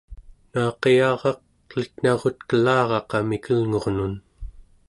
naaqiyaraq elitnaurutkelaraqa mikelngurnun